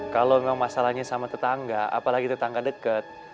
kalo emang masalahnya sama tetangga apalagi tetangga deket